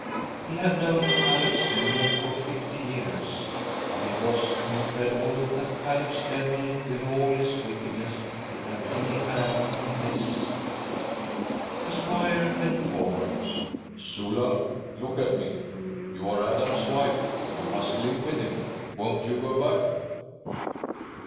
He had known Caleb Stemmel for fifty years. But it was incredible that Caleb Stemmel with all his wickedness should have any hand in this. The squire bent forward. 'Sula, look at me. You are Adam's wife. You must live with him. Won't you go back?'